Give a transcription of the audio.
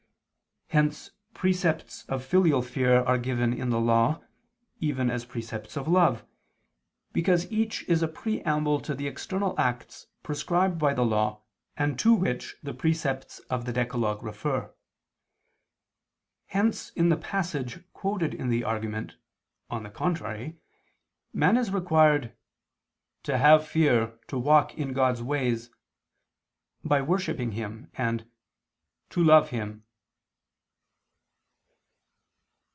Hence precepts of filial fear are given in the Law, even as precepts of love, because each is a preamble to the external acts prescribed by the Law and to which the precepts of the decalogue refer. Hence in the passage quoted in the argument On the contrary, man is required "to have fear, to walk in God's ways," by worshipping Him, and "to love Him."